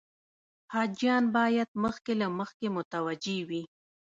حاجیان باید مخکې له مخکې متوجه وي.